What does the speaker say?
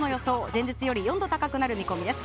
前日より４度高くなる見込みです。